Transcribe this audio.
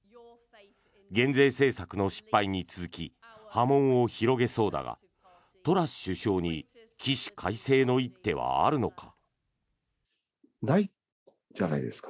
減税政策の失敗に続き波紋を広げそうだがトラス首相に起死回生の一手はあるのか。